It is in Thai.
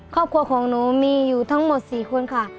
ครอบครัวของหนูมีอยู่ทั้งหมด๔คนค่ะ